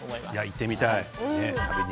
行ってみたい。